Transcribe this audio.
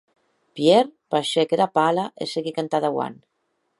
Pierre baishèc era pala e seguic entà dauant.